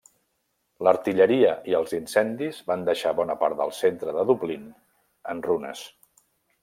L'artilleria i els incendis van deixar bona part del centre de Dublín en runes.